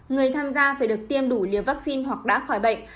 người tham gia phải được tiêm đủ liều vaccine hoặc đã khỏi bệnh